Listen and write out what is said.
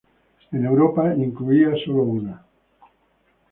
En Europa incluía sólo una.